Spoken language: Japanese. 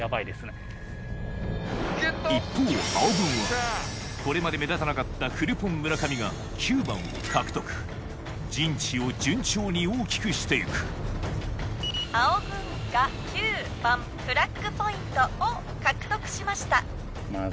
一方青軍はこれまで目立たなかったフルポン・村上が９番を獲得陣地を順調に大きくして行く青軍が９番フラッグポイントを獲得しました。